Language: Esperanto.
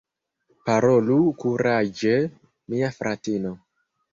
Parolu kuraĝe, mia fratino!